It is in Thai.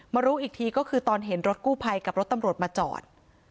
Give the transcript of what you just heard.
รู้อีกทีก็คือตอนเห็นรถกู้ภัยกับรถตำรวจมาจอด